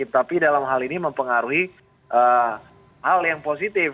tapi dalam hal ini mempengaruhi hal yang positif